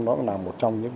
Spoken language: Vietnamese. nó là một trong những